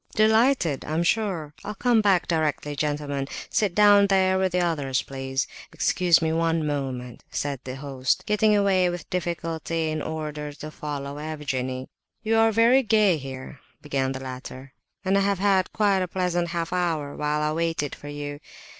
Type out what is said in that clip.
"Delighted, I'm sure!—I'll come back directly, gentlemen,—sit down there with the others, please,—excuse me one moment," said the host, getting away with difficulty in order to follow Evgenie. "You are very gay here," began the latter, "and I have had quite a pleasant half hour while I waited for you.